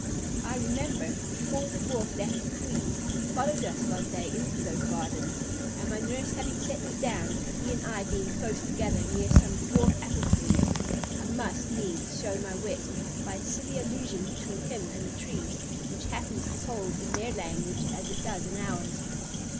I remember, before the dwarf left the queen, he followed us one day into those gardens, and my nurse having set me down, he and I being close together, near some dwarf apple trees, I must needs show my wit, by a silly allusion between him and the trees, which happens to hold in their language as it does in ours.